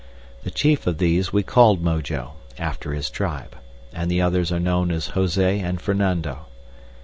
The chief of these we called Mojo, after his tribe, and the others are known as Jose and Fernando.